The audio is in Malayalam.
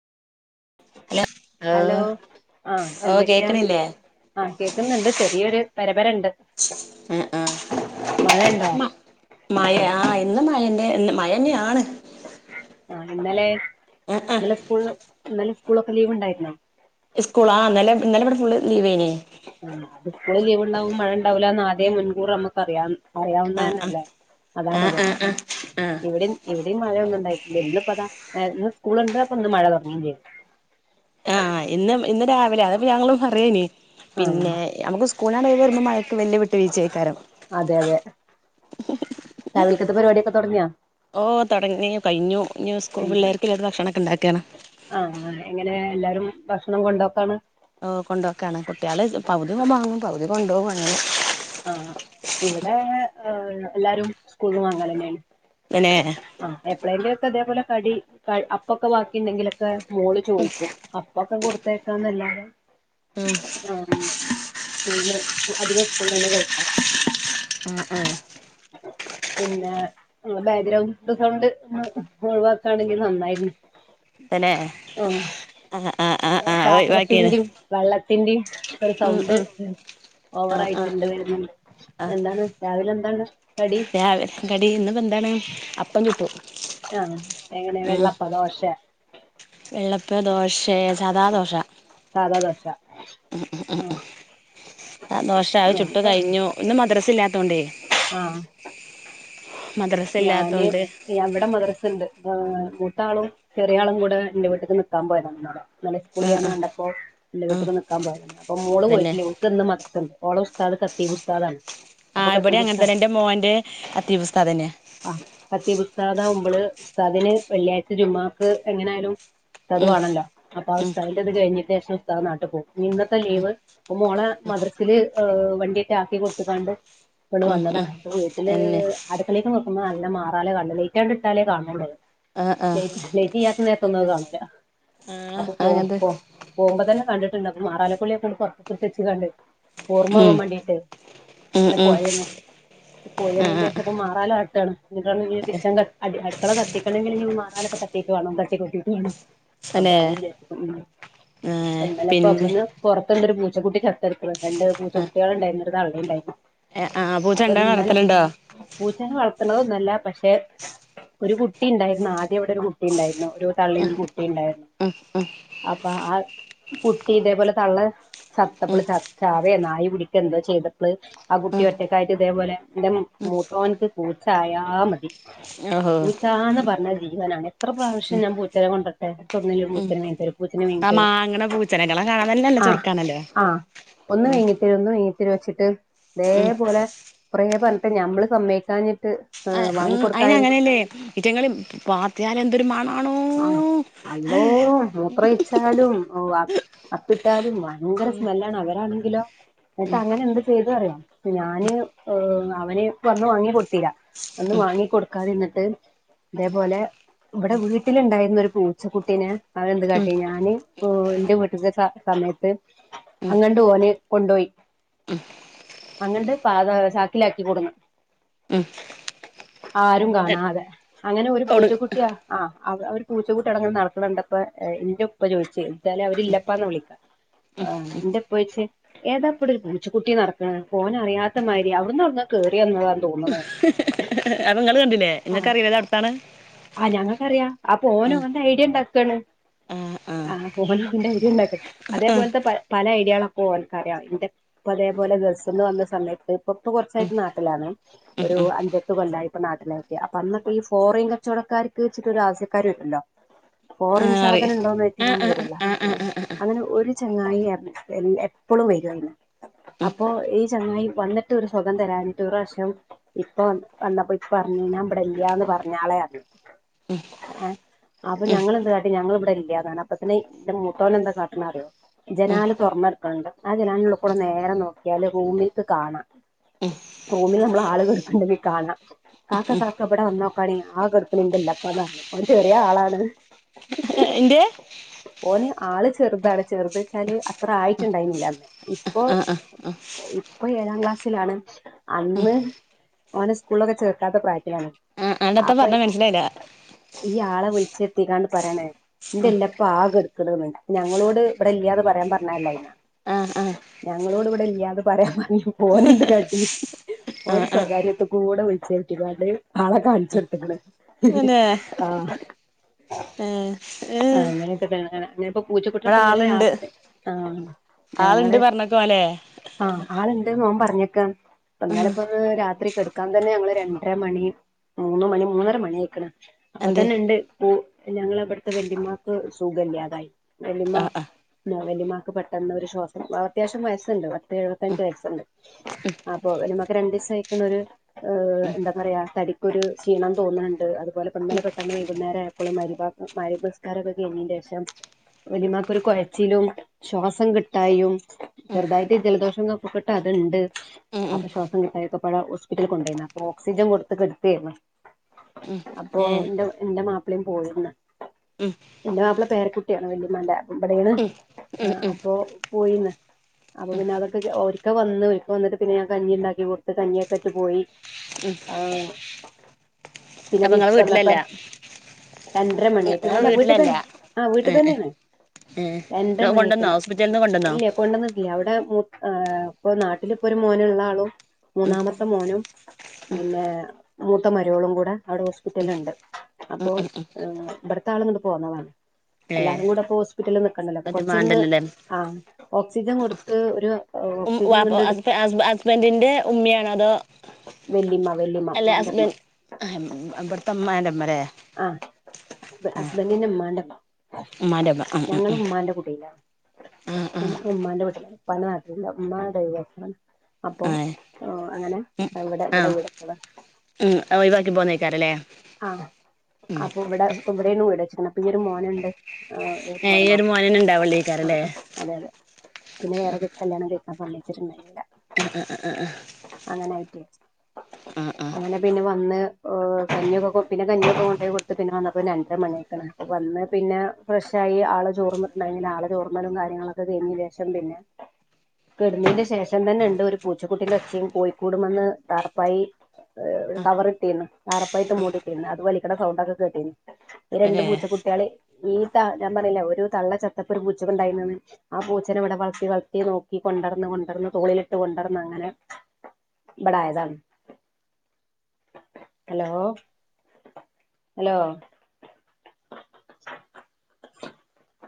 ഹലോ ആഹ് ആഹ് ഓ എന്തൊക്കെയാ കേക്കണില്ലേ ആഹ് കേക്കുന്നുണ്ട് ചെറിയൊരു പര പര ഇണ്ട് ആഹ് ആഹ് മഴയുണ്ടോ ഉമ്മ മയാ ആഹ് ഇന്ന് മയന്റെ മയന്നെ ആണ് ആഹ് ഇന്നലെ ആ ആ ഇന്നലെ സ്കൂൾ ഇന്നലെ സ്കൂളൊക്കെ ലീവ് ഇണ്ടായിരുന്നോ സ്കൂള ആഗ ഇന്നലെ ഇന്നലെ ഇവിടെ ഫുള്ള് ലീവേനി ഉം സ്കൂള് ലീവ് ഇണ്ടാവും മഴ ണ്ടാവുല്ലാന്ന് ആദ്യേ മുൻകൂർ നമുക്ക് അറിയാം. അറിയാവുന്നെ ആഹ് ആഹ് ന്നല്ലേ. ആഹ് അതാണത് ആഹ് ആഹ് ആഹ് ഇവിടേം ഇവിടേം മഴ ഒന്നും ഉണ്ടായിട്ടില്ല. ഇന്നിപ്പത ഇന്ന് സ്കൂളുണ്ട് അപ്പൊ ഇന്ന് മഴ തുടങ്ങേം ചെയ്തു. ആഹ് ഇന്ന് ഇന്ന് രാവിലെ അതിപ്പ ഞങ്ങള് പറയേനി. പിന്നെ ആഹ് നമുക്ക് സ്കൂൾനാണ്ട് ഒഴിവ് വരുമ്പം മഴക്ക് വല്ല്യ വിട്ട് വീഴ്ചേഴ്ക്കാരം. അതെ അതെ തെ ഓഹ് തൊടങ്ങി കഴിഞ്ഞു. ഇഞ്ഞ് സ്കൂൾ പിള്ളേര്ക്ക്ള്ള ഭക്ഷണൊക്കെ ഇണ്ടാ ക്കണം. ആഹ് എങ്ങനെ എല്ലാരും ഭക്ഷണം കൊണ്ടോക്കാണ്. ഓഹ് കൊണ്ടോക്കാണ്. കുട്യാള് പൗതിന്നും വാങ്ങും. പൗതി കൊണ്ടോഉം അങ്ങനെ. ആഹ് ഇവിടെ ഏഹ് എല്ലാരും സ്കൂള്ന്ന് വാങ്ങലന്നെണ്. തന്നെ ആഹ് എപ്പളേങ്കിലൊക്കെ തേപോലെ കടി അപ്പൊക്കെ വാക്കി ണ്ടെങ്കിലൊക്കെ മോള് ചോയിക്കും. അ പ്പൊക്കെ കൊടുത്തയക്കാന്നല്ലാതെ. ഉം ആന്ന് സ്കൂൾന്ന് അധികം സ്കൂൾന്നന്നെ കഴിക്കാറ്. ആഹ് ആഹ് പിന്നെ ആഹ് ബാഗ്രൗണ്ട് സൗണ്ട് ഒഴിവാക്കാണങ്കി നന്നായിരുന്നു. തന്നെ ആഹ് ആഹ് ആഹ് ആഹ് ആഹ് ഒഴിവാക്കിണ് പാത്രത്തിന്റിം വള്ളത്തിന്റിം ഒരു സൗണ്ട് ആഹ് ഓവറായി. ആഹ് രണ്ട് ആഹ് വരുന്ന്ണ്ട്. ആഹ് എന്താണ് രാവിലെ എന്താണ് കടി. രാവിലെ കടി. ഇന്ന്പെന്താണ് അ പുട്ടാണ്. എങ്ങനെ ഉം വെള്ളപ്പ ദോശ വെള്ളപ്പ ദോശെ സാദാ ദോശ. സാധാ ദോശ. ആഹ് ആഹ് ദോശ അഹ്ചുട്ടു ഞാനിപ്പം കഴിഞ്ഞു. ഇന്ന് മദ്രസ് ഇല്ലാത്തൊണ്ടേ ആഹ് മദ്രസ ഞാന് ഇല്ലാത്തോണ്ട് യ വിടെ മദ്രസ്ണ്ട്. മൂത്താളും ചെറിയാളും കൂടെ ഇന്റെ വീട്ട്ക്ക് നിക്കാം പോയതാണ് ഇന്നലെ. ഇന്നലെ ആഹ് സ്കൂളിയ്യാന്ന് ആഹ് കണ്ടപ്പൊ ഇന്റെ ആഹ് വീട്ട്ക്ക് നിക്കാം പോയതാ. അപ്പം മോള് അതന്നെ പോയില്ല്യ. ഓ ക്ക് ഇന്ന് മദ്റസണ്ട്. ഓളെ ഉസ്താദ് കതീബുസ്താതാണ്. ആഹ് ഇബടിം അങ്ങൻ തന്നെ. ഇന്റെ മോന്റെ കതീബുസ്താദന്നെ. ആഹ് കതീബുസ്താദാഉമ്പള് ഉസ്താദിന് വെള്ളിയാഴ്ച ജുമുഅക്ക് എങ്ങനായാലും ഉസ്താദ് ഉം വാണല്ലോ. അപ്പൊ ആഹ് ഉം ഉസ്താദിന്റെ ഇത് കഴിഞ്ഞിട്ടേഷം ഉസ്താദ് നാട്ട് പോവും. ഇന്നത്തെ ലീവ്. അപ്പൊ മോളെ മദ്രസില് വണ്ടിയായിട്ട് ആക്കി കൊടുത്ത്ക്കാണ്ട് ഇപ്പള് ഉം ഉം വന്നതാണ്. ഇപ്പ വീട്ടില് എന്നെ അട്ക്കളീക്ക് നോക്കുമ്പോ നല്ല മാറാല കണ്ണ്ട്. ലൈറ്റാണ്ട് ഇട്ടാലേ കാണള്ളൂ. ആഹ് ആഹ് അഹ് ലൈറ്റ് ഇയ്യാത്ത നേരത്തൊന്നും അഹ് കാണൂല. ആഹ് അപോ പൊ അങ്ങനത്തെ പൊ പോവുമ്പ തന്നെ കണ്ടിട്ട്ണ്ട്. അപ്പം മാറാലക്കൊള്ളിയൊക്കാണ്ട് പൊർത്ത്ക്ക്ട്ത്തച്ച്കാണ്ട്. ഉം ഓർമ്മാവാം മാണ്ടീട്ട്. ഉം അല്ല ഉം പൊയാന്ന് ആഹ് പൊയന്നില്ലേ. മാറാല തട്ടാണ്. ഇന്നിട്ട് വാണങ്കി കിച്ചൺ ക അട്ക്കള ക ത്തിക്കണങ്കില് ഇഞ്ഞ് മാറാലൊക്കെ തട്ടീട്ട് വാണം. തട്ടികൊട്ടീട്ട് വാണം. അപ്പൊ തന്നെ അതുംവിചാര്ച്ച്ട്ട് നിന്ന്. അപ്പോം ആഹ് ഇന്നലെപ്പൊ പിന്നെ ഒക്കൊന്ന് പൊർത്ത്ണ്ടരു പൂച്ചക്കുട്ടി ചത്ത്ട്ക്ക്ണ് രണ്ട് പൂച്ചക്കുട്ട്യാള് ഇണ്ടായ്ന് ഒരു തള്ളിണ്ടായ്ന് എഹ് ആഹ് പൂച്ച ഇണ്ടാ വളർത്തല്ണ്ടോ പൂച്ചനെ വളർത്ത്ണതൊന്നുഅല്ല പക്ഷെ ഒരു കുട്ടി ഇണ്ടായിര്ന്നു ആദ്യം ഇവിടെ ഒരു കുട്ടി ഇണ്ടായിരുന്നു ഒരു തള്ളിം ഒരു കുട്ടിം കുട്ടിം ഇണ്ടായിര്ന്നു ഉം അപ്പൊ ആഹ് കുട്ടി ഇതേപോലെ തള്ള ഉം ചത്തപ്പള് ചത്ത് ചാവെ നായി പിടിക്കെ എന്തോ ചെയ്തപ്പള് ആഹ് കുട്ടി ഉം ഒറ്റക്കായിട്ട് ഇതേപോലെ ഇന്റെ മ് മൂത്തോൻക്ക് പൂച്ചായാ മതി ഓഹോ പൂച്ചാന്ന് പറ്ഞ്ഞാ ജീവനാണ് എത്ര പ്രാവ്ശ്യം ഞാൻ പൂച്ചനെ കൊണ്ടരട്ടെ ഇച്ച് ഒട്ന്നേലു ഒരു ഉം പൂച്ചനെ മെങ്ങിതരോ പൂച്ചനെ മേങ്ങി ആ തരോ മാങ്ങണ പൂച്ചനകളെ കാണാൻ തന്നെ നല്ല ആഹ് ചെറുക്കാണല്ലേ ആഹ് ഒന്ന് ഉം വേങ്ങി തെരോ ഒന്ന് വേങ്ങി തെരോ ച്ചിട്ട് ഉം ഇതേപോലെ കുറേ പറ്ഞ് പ്പെ ഞമ്മള് സമ്മയക്കാഞ്ഞിട്ട് ആഹ് ഉം അയിന് അങ്ങനെയല്ലേ ഇറ്റങ്ങള് പാത്തിയാൽ എന്തൊരു മണാണോ അള്ളോ മൂത്രൊയിച്ചാ ഒഴിച്ചാലും ഓഹ് അപ്പിട്ടാലും ഭയങ്കര സ്മെല്ലാണ് അവരാണെങ്കിലോ ന്നട്ട് അങ്ങനെ എന്ത് ചെയ്തു അറിയോ ഞാന് ഏഹ് അവന് വന്ന് വാങ്ങി കൊട്ത്തീല വന്ന് വാങ്ങി കൊട്ക്കാതിന്നിട്ട് ഇതേപോലെ ഇവിടെ വീട്ടിലുണ്ടായിരുന്നൊരു പൂച്ചക്കുട്ടീനെ അവന് എന്ത് ഉം കാട്ടി ഞാന് പ്പോ ന്റെ വീട്ട്ത്തെ സമയത്ത് ഏഹ് ഉം അങ്ങണ്ട് ഓന് കൊണ്ടോയി അങ്ങണ്ട് പാ ലാ ച്ചാ ച്ചാകിലാക്കി കൊട്ന്ന് ഉം ആരും കാണാതെ അങ്ങനെ ഒരു ഓട് പൂച്ചക്കുട്ടിയാ ആഹ് അവ അവര് പൂച്ചകുട്ടി അടങ്ങനെ നട്ക്ക്ണ്കണ്ടപ്പ എന്റെപ്പ ചോയ്ച്ചയ് എല്ലാരും അവര് ഇല്ലപ്പാന്ന വിളിക്ക ആഹ് ന്റെപ്പ ചോയ്ച്ച് ഏതാപ്പടൊരു പൂച്ച കുട്ടി നട്ക്ക്ണ് അപ്പൊ ഓന് അറിയാത്ത മാതിരി അവ്ടെ അവ്ട്ന്ന് യോട്ന്നോ കേറിന്നതാ തോന്ന്ണ് അപ്പൊ ഇങ്ങൾ കണ്ടില്ലേ ഇങ്ങക്ക് അറീലെ ഇത ട്ത്താണ് ആഹ് ഞങ്ങൾക്കറിയാ അപ്പൊ ഓന് ഓന്റെ അയ്ഡിയണ്ടാക്കാണ് ആ ആ ആഹ് പോൻന്റെ ഐഡിയ ഇണ്ടാക്ക അതേപോലത്തെ പ പല ഐഡിയാളൊക്കെ ഓൻക്കറിയാ ഇന്റെ ഇപ്പ അതേപോലെ ഗൾഫിന്ന് വന്ന സമയത്ത് ഇപ്പ ഇപ്പൊ കുറച്ചായിട്ട് നാട്ടിലാണ് ഒരു അഞ്ചട്ട് കൊല്ലയി ഇപ്പ നാട്ടിലായിറ്റ് അപ്പൊ അന്നോക്കെ ഈ ഫോറീൻ കാര് കച്ചവടക്കാര്ക്ക്ച്ചിട്ട് ഒരു ആവ്യസ്യക്കാര് വെര്ല്ലോ ആ ഫോറിൻ അറി സാധനം ഉണ്ടോന്ന് ആ ചോയ്ച്ചുക്കാണ്ട് ആ വരുല്ലോ ആ ആ ആ അങ്ങനെ ഒരു ചങ്ങായിയറ്ഞ്ഞാ എല്ല എപ്പഴും വെരു അങ്ങനെ അപ്പൊ ഈ ചങ്ങായി വന്നിട്ട് ഒര് സൊഖം തരാഞ്ഞിട്ട് ഒര്റാശ്യം ഇപ്പ വന്നപ്പോ ഇപ്പ പറഞ്ഞ് ഞാൻ ബടെല്യാന്ന് പറഞ്ഞാളെറ്ഞ് ഏഹ് അപ്പൊ ഉം ഞങ്ങെളെന്ത്‌ കാട്ടി ഞങ്ങൾ ഇബടെ ഇല്യാന്നറ്ഞ് അപ്പത്തിന് ഇന്റെ മുത്തോന് എന്താ കാട്ട്ണ്ന്നറിയോ ഉം ജനാൽ തൊർന്നട്ക്ക്ണ് ണ്ട് ആഹ് ജനാലിനള്ള കൂടെ നേരെ നോക്കിയാല് റൂമിക്ക് കാണ റൂമിൽ നമ്മൾ ആള് കെട്ക്ക്ണത് കാണ കാക്ക കാക്ക ബടെ വന്നോക്കാണി ആഹ് കെട്ക്ക്ണ് [unintelligible] ഇല്ല്യതൊനാണ് ഓൻ ചെറിയെ ആളാണ് എന്റെ ഓന് ആള് ചെറുതാണ് ചെറ്ത്ച്ചാല് അത്ര ആയിട്ട്ണ്ടായിരുന്നില്ല അന്ന് ഇപ്പൊ ഇപ്പൊ ഏഴാം ക്ലാസ്സിലാണ് അന്ന് ഓനെ സ്കൂളൊക്കെ ചെർക്കാത്ത പ്രായത്തിലാണ് ആഹ് അണ്ട് എത്താ അപ്പൊ പറ്ഞ് മന്സ്സിലായ്ല ഈ ആളെ വിളിച്ചെര്ത്തിക്കാണ്ട് പറയാണേയ് ഇന്റെല്ലാപ്പ ആഹ് കെട്ക്ക്ണ്ന്ന് ഞങ്ങളോട് ഇബടെ ഇല്യാന്ന് പറയാൻ പറ്ഞ്ഞതല്ലയിന്ന ആഹ് ആഹ് ഞങ്ങളോട് ഇവിടെ ഇല്ല്യാന്ന് പറയാൻ പറഞ്ഞപ്പോ ഓന് എന്ത് കാട്ടി ആ ഓനെ ആ സ്വകാര്യത്തുകൂടെ വിളിച്ചെരുത്തീക്കാണ്ട് ആളെ കാണിച്ചു കൊടുത്ക്ണ് പിന്നെ ആഹ് ഏ ഏ അങ്ങനെക്കതന്നെ അങ്ങനെ പൂ പൂച്ച കുട്ടിനെ ഇവിടെ പ്പന്നല്ലെ ആളുണ്ട് രാത്രി ആ ആളുണ്ട് ഞങ്ങള് പറഞ്ഞേക്കു അല്ലേ ആ ആള്ണ്ട് ഓൻ പറഞ്ക്കാണ് ഇപ്പോ ഉം ഇന്നലെപ്പോ രാത്രി കെടക്കാൻ തന്നെ ഞങ്ങള് രണ്ടര മണി മൂന്ന് മണി മൂന്നര മണി അയിക്ണ് അപ്പൊ എന്തേ തന്നെ ഇണ്ട് പു ഞങ്ങൾ ഇബട്ത്തെ വല്ലിമ്മാക്ക് സുഖല്ലാതായി വല്ലിമ്മ ആ ആ വല്ലിമ്മാക്ക് പെട്ടെന്ന് ഒരു ശ്വാസം അത്യാവശം വയസ്സ്ണ്ട് പത്ത് എഴുപത്തഞ്ച് ഉം വയസ്സ്ണ്ട് അപ്പൊ ഒരുമക്ക്െ രണ്ട ദിവസം [unintelligible] കഴക്കണ ഒരു ഉം എന്താ പറയാ തടി ഒരു ക്ഷീണം തോന്ന്ണ് ണ്ട് അതുപോലെപ്പന്നലെ പെട്ടെന്ന് വൈകുന്നേരം ആയപ്പള് മഅരിബ മഗരിബിസ്കാരം ഒക്കെ കഴിഞ്ഞീന്റെഷം വല്ലിമ്മാക്ക് ഒരു കൊയച്ചിലും ശ്വാസം കിട്ടായും ഉം ചെറുതായിട്ട് ജലദോഷം കഫക്കെട്ട് അത്ണ്ട് ഉം അപ്പൊ ഉം ശ്വാസം കിട്ടായിയോക്കെ പടെ ഹോസ്പിറ്റൽ കൊണ്ടോയിന്നു അപ്പൊ ഓക്സിജൻ കൊടുത്ത് കെടത്തെയ്ന്നു ഉം അപ്പോ ഏ ഇന്റെ ഇന്റെ മാപ്പളിം പോയിന്ന് ഉം ഇന്റെ മാപ്പള പേരക്കുട്ടിയാണ് വെല്ലിമാന്റെ ഇബടേണ് ഉം ഉം ആഹ് ഉം അപ്പൊ പോയിന്ന്. അപ്പൊ പിന്നെ അതൊക്കെ ഒരിക്കെവന്ന് ഒരിക്ക വന്നിട്ട് പിന്നെ ഞ കഞ്ഞി ഇണ്ടാക്കി കൊടുത്ത് കഞ്ഞിയൊക്കെറ്റ് പോയി. ആഹ് പിന്നെ അപ്പൊ നിങ്ങളെ തിരിച്ച് വന്നപ്പൊ വീട്ടിലല്ല അര് അരമണിയായിക്ക്‌ണ് നിങ്ങളെ അല്ല വീട്ട്തന്നെ വീട്ടിലല്ല ആഹ് വീട്ട്തന്നേണ് ഏഹ് കൊണ്ടന്നോ ഹോസ്പിറ്റലിൽന്ന് കൊണ്ടന്നോ. ഇല്ലെ കൊണ്ടന്നിട്ടില്ല അവിടെ മൂത്ത് ആഹ് ഇപ്പൊ നാട്ടിലിപ്പൊര് മോന്ള്ള ആളും. മൂന്നാമത്തെ മോനും പിന്നെ മൂത്ത മരോളും കൂടെ അവിടെ ഹോസ്പിറ്റലിൽണ്ട്. അപ്പൊ ഇബട്ത്തെ ആള്ങ്ങട്ട് പോന്നതാണ്. ഏ എല്ലാരും കൂടെ പ്പൊ ഹോസ്പിറ്റലിൽ നിക്കണ്ടല്ലോ അത് കൊറൊച്ചൊന്ന് മാണ്ടല്ലല്ലേ ആ ഓക്സിജൻ കൊട്ത്ത് ഒരു മം ഓക്സിജൻ വാപ്പ കൊണ്ട് എടു ഹസ് ഹസ് ഹസ്ബൻഡിന്റെ ഉമ്മയാണതോ. വല്യമ്മ വല്യമ്മ അല്ല ഉമ്മാന്റെ ഉമ്മ അസ്ബൻ ഇബട്ത്തെ ഇമ്മാന്റെ ഇമ്മ ലെ. ഹസ് ഹസ്ബൻഡിന്റെ ഇമ്മാന്റെമ്മ ഉമ്മാന്റെ ഉമ്മ ഉം ഉം ഞങ്ങളു ഉം ഉമ്മാന്റെ കുടീയിലാണ് ആ ഞാനിപ്പോ ഉമ്മാന്റെ വീട്ടിലാണ് ഉപ്പാന്റെ നാട്ടിലല്ല. ഉമ്മാ ഡയ് വോസാണ് അപ്പൊ ആ ഏഹ്. അങ്ങനെ ഇവിടെ ആ ഇവടെ വീട്‌വെച്ചതാ ആ ഒഴിവാക്കി പോന്നേക്കാരല്ലേ ആഹ്. ഉം ഇപ്പ ഇവിടെ ഇവിടെണ് വീട്‌വെച്ച്ക്ക്ണെ അപ്പൊ ഈയൊരു മോന്ണ്ട്. ഏഹ് ഈ ഒരു മോനന്നേ ആഹ് ഇണ്ടാവള്ളെക്കാരല്ലേ. ആഹ് അതെ അതെ പിന്നെ വേറെ കെ കല്യാണം കഴിക്കാൻ സമ്മയ്ചിണ്ടായിനില. ആഹ് ആഹ് ആഹ് ആഹ് ആഹ്. അങ്ങനായിറ്റെയ്. ആഹ് അങ്ങനെ പിന്നെ വന്ന് ഏഹ് കഞ്ഞിയൊക്കെ ക്കൊ പിന്നെ കഞ്ഞിയൊക്കെ കൊണ്ടേകൊട്. ന്നിട്ട് പിന്നെ വന്നപ്പോ രണ്ടര മണിയായ്ക്ക്ണ് വന്ന് പിന്നെ ഫ്രഷായി ആള് ചോർന്നിട്ട്ണ്ടായ്നില ആളെ ചോർന്നലും കാര്യങ്ങളൊ ക്കെ കഴിഞ്ഞീന്റെഷം പിന്നെ കെടന്നീന്റെ ശേഷം തന്നെണ്ട് ഒരു പൂച്ചക്കുട്ടിന്റെ ഒച്ചിം കോയിക്കൂടുമെന്ന് ടാർപ്പായി. ഏഹ് ഒരു ആഹ് കവറിട്ടീന്ന് ടാർപ്പായിട്ട് മൂടിട്ടീണ് അതുവലിക്കണ സൗണ്ടൊക്കെ കേട്ടീനിം ഈ രണ്ടു തന്നെ പൂച്ചക്കുട്ടിയാളി ഈ ത ഞാൻ പറഞ്ഞിലെ ഒരു തള്ള ചത്തപ്പൊ ഒരു പൂച്ചടെണ്ടായിനെന്ന് ആ പൂച്ചനെവടെ വൾത്തി വൾത്തി നോക്കി കൊണ്ടട്ന്ന് കൊണ്ടട്ന്ന് തോളിലിട്ട് കൊണ്ടട്ന്നങ്ങനെ. ഇബടെ ആയതാണ് ഹലോ. ഹലോ.